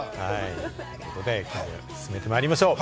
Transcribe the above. それでは進めてまいりましょう。